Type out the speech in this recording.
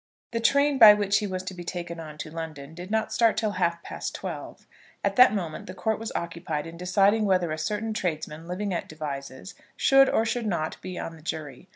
The train by which he was to be taken on to London did not start till half past twelve. At that moment the court was occupied in deciding whether a certain tradesman, living at Devizes, should or should not be on the jury.